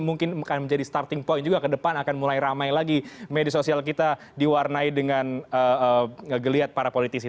mungkin akan menjadi starting point juga ke depan akan mulai ramai lagi media sosial kita diwarnai dengan ngegeliat para politisi